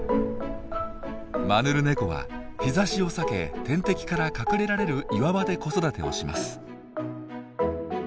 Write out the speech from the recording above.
マヌルネコは日ざしを避け天敵から隠れられる岩場で子育てをします。